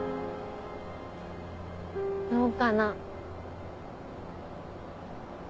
どうかな。